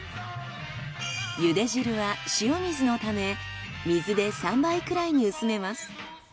茹で汁は塩水のため水で３倍くらいに薄めます。